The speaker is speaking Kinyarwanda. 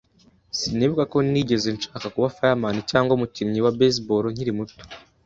Sinibuka ko nigeze nshaka kuba fireman cyangwa umukinnyi wa baseball nkiri muto.